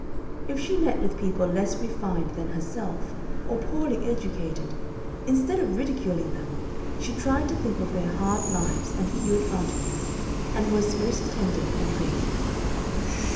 If she met with people less refined than herself, or poorly educated, instead of ridiculing them, she tried to think of their hard lives and few advantages, and was most tender and gracious.